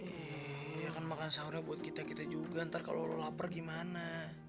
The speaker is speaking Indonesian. iya kan makan sahurnya buat kita kita juga nanti kalau lo lapar gimana